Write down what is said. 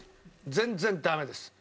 全然ダメです。